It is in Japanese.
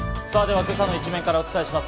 今朝の一面からお伝えします。